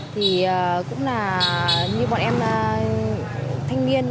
thì cũng là như bọn em thanh niên